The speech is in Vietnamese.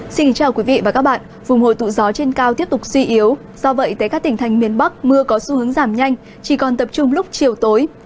xin chào quý vị và các bạn vùng hồi tụ gió trên cao tiếp tục suy yếu do vậy tới các tỉnh thành miền bắc mưa có xu hướng giảm nhanh chỉ còn tập trung lúc chiều tối